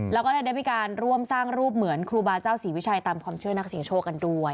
แล้วก็ได้มีการร่วมสร้างรูปเหมือนครูบาเจ้าศรีวิชัยตามความเชื่อนักเสียงโชคกันด้วย